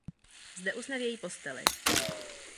Zde usne v její posteli.